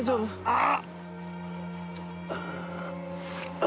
ああ。